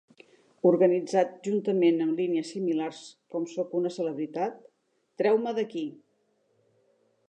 Organitzat juntament amb línies similars com sóc una celebritat... Treu-me d'aquí!